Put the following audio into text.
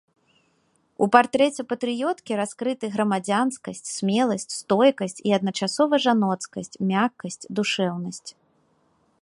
У партрэце патрыёткі раскрыты грамадзянскасць, смеласць, стойкасць і адначасова жаноцкасць, мяккасць, душэўнасць.